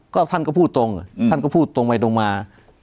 ก็ท่านก็พูดตรงท่านก็พูดตรงไปตรงมา